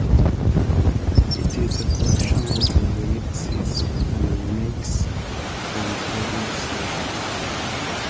It is a collection of remixes and remakes from previous albums.